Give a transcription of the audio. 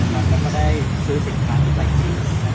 เราก็ไม่ได้ซื้อสินค้าที่แตกจริง